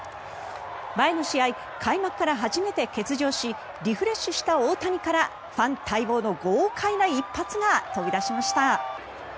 前の試合、開幕から初めて欠場しリフレッシュした大谷からファン待望の豪快な一発が飛び出しました。